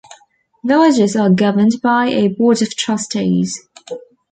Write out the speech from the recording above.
Villages are governed by a board of trustees.